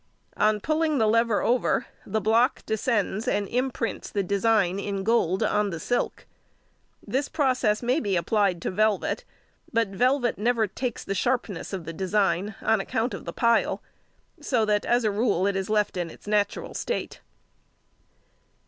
On pulling the lever over, the block descends and imprints the design in gold on the silk. This process may be applied to velvet, |147| but velvet never takes the sharpness of the design on account of the pile, so that as a rule it is left in its natural state.